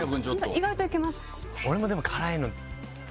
意外と行けます。